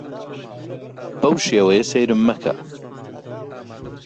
بەو شێوەیە سەیرم مەکە.